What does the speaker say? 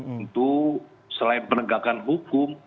untuk selain penegakan hukum